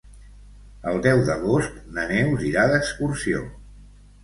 El deu d'agost na Neus irà d'excursió.